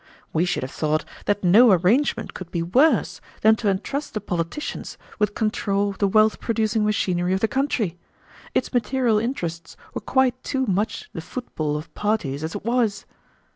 We should have thought that no arrangement could be worse than to entrust the politicians with control of the wealth producing machinery of the country. Its material interests were quite too much the football of parties as it was."